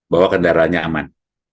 bahwa kendaraannya aman